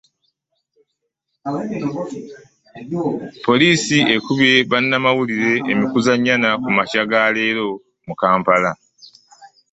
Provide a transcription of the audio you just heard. Poliisi ekubye bannamawulire emikuza nnyana ku makya ga leero mu Kampala.